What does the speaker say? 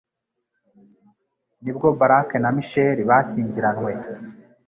nibwo Barack na Michelle bashyingiranwe